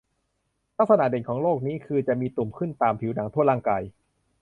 ลักษณะเด่นของโรคนี้คือจะมีตุ่มขึ้นตามผิวหนังทั่วร่างกาย